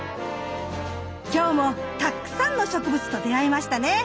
今日もたくさんの植物と出会えましたね。